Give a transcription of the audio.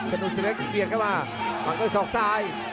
กระโดยสิ้งเล็กนี่ออกกันขาสันเหมือนกันครับ